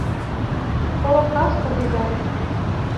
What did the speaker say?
— Поро кас, кугызай!